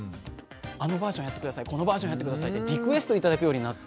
あのバージョンやって下さいこのバージョンやって下さいってリクエスト頂くようになって。